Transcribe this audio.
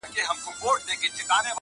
هغه ورځ لکه کارګه په ځان پوهېږي-